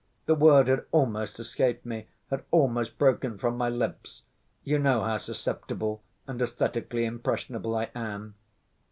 The word had almost escaped me, had almost broken from my lips ... you know how susceptible and esthetically impressionable I am.